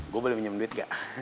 gue boleh minum duit gak